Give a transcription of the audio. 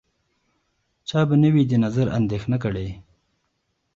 چا به نه وي د نظر اندېښنه کړې